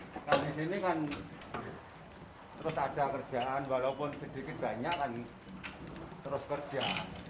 kalau di sini kan terus ada kerjaan walaupun sedikit banyak kan terus kerja